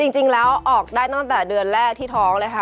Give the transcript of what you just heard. จริงแล้วออกได้ตั้งแต่เดือนแรกที่ท้องเลยค่ะ